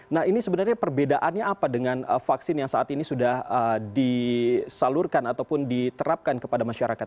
nah ini sebenarnya perbedaannya apa dengan vaksin yang saat ini sudah disalurkan ataupun diterapkan kepada masyarakat